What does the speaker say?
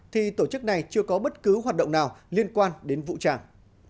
thì tổ chức này chưa có bất cứ hoạt động nào liên quan đến vũ trang